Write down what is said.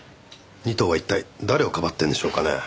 仁藤は一体誰をかばってるんでしょうかね？